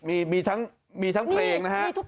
มีทั้งเพลงนะฮะ